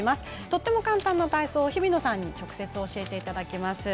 とても簡単な体操を日比野さんに直接、教えていただきます。